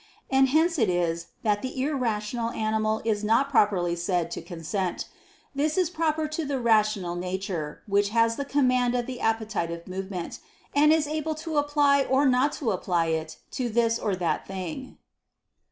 And hence it is that the irrational animal is not properly said to consent: this is proper to the rational nature, which has the command of the appetitive movement, and is able to apply or not to apply it to this or that thing.